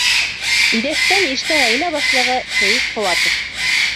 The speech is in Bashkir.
Иҙәштән ишле ғаилә башлығы Фаиз Ҡыуатов: